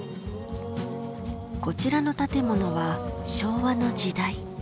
こちらの建物は昭和の時代。